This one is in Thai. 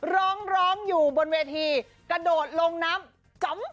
ร้องร้องอยู่บนเวทีกระโดดลงน้ำ